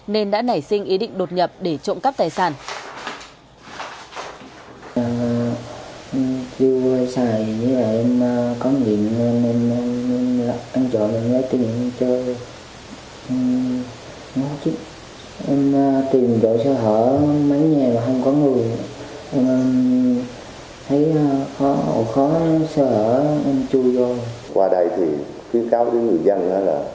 nên đã nảy sinh ý định đột nhập để trộm cắp tài sản